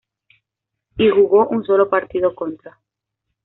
Y jugó un solo partido contra.